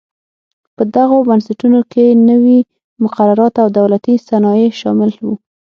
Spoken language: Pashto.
په دغو بنسټونو کې نوي مقررات او دولتي صنایع شامل و.